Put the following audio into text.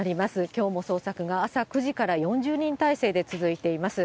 きょうも捜索が朝９時から４０人態勢で続いています。